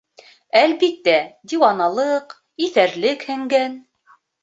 Әлбиттә, диуаналыҡ, иҫәрлек һеңгән.